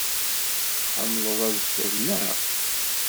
Tḥemmleḍ adfel, naɣ?